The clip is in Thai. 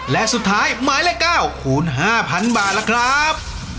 และสุดท้ายหมายเลข๙คูณ๕๐๐๐บาทล่ะครับ